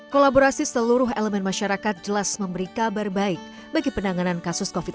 kolaborasi seluruh elemen masyarakat jelas memberi kabar baik bagi penanganan kasus covid sembilan belas